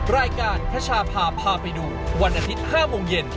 รายการพระชาพาพาไปดูวันอาทิตย์๕โมงเย็น